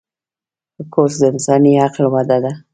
کورس د انساني عقل وده ده.